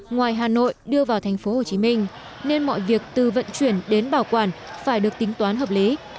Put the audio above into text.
ngoài hà nội đưa vào tp hcm nên mọi việc từ vận chuyển đến bảo quản phải được tính toán hợp lý